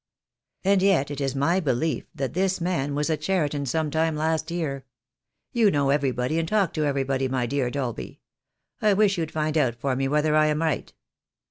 "And yet it is my belief that this man was at Cheri ton some time last year. You know everybody, and talk to everybody, my dear Dolby. I wish you'd find out for me whether I am right?"